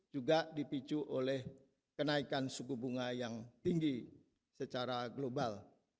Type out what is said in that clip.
juga dipicu oleh kenaikan suku bunga yang tinggi secara global